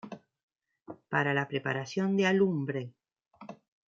Para la preparación de alumbre.